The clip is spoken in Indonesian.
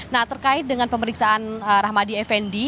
nah terkait dengan pemeriksaan rahmadi effendi